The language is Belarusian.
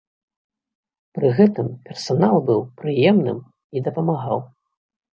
Пры гэтым, персанал быў прыемным і дапамагаў.